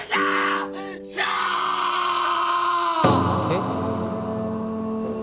えっ？